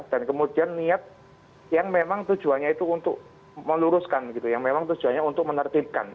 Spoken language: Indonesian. dan kemudian niat yang memang tujuannya itu untuk meluruskan gitu yang memang tujuannya untuk menertibkan